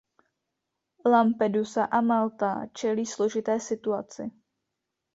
Lampedusa a Malta čelí složité situaci.